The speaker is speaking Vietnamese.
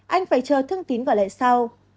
anh phải chờ thương tín gọi lại sau